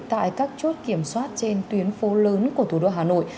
tại các chốt kiểm soát trên tuyến phố lớn của thủ đô hà nội